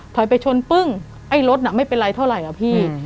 ไปชนปึ้งไอ้รถน่ะไม่เป็นไรเท่าไหร่อะพี่